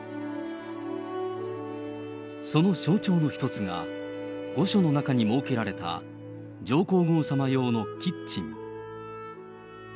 その象徴の一つが、御所の中に設けられた上皇后さま用のキッチン。